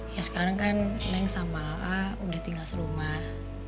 ya sekarang kan neng sama ah udah tinggal serumah